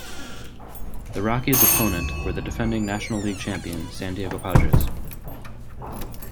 The Rockies' opponent were the defending National League champion San Diego Padres.